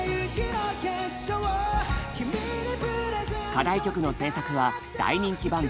課題曲の制作は大人気バンド